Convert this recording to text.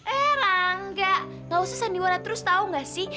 eh rangga kau susah sandiwara terus tahu nggak sih